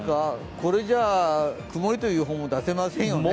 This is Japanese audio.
これじゃあ曇りという予報も出せませんよね？